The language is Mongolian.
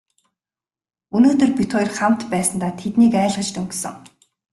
Өнөөдөр бид хоёр хамт байсандаа тэднийг айлгаж дөнгөсөн.